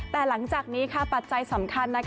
แต่หลังจากนี้ปัจจัยสำคัญ